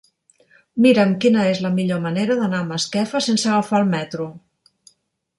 Mira'm quina és la millor manera d'anar a Masquefa sense agafar el metro.